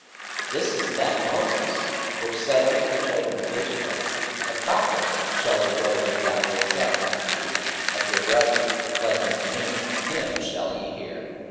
44:007:037 This is that Moses, which said unto the children of Israel, A prophet shall the Lord your God raise up unto you of your brethren, like unto me; him shall ye hear.